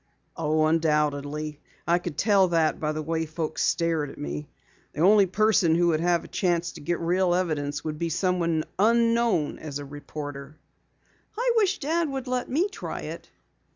"Oh, undoubtedly. I could tell that by the way folks stared at me. The only person who would have a chance to get real evidence would be someone unknown as a reporter." "I wish Dad would let me try it."